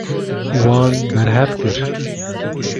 Wan berhev kir.